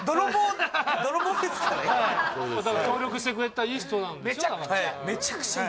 泥棒協力してくれたいい人なんでしょ？